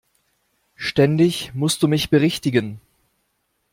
Ständig musst du mich berichtigen!